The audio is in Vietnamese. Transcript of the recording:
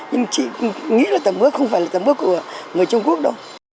nhưng chị nghĩ là tầm ước không phải là tầm ước của người trung quốc đâu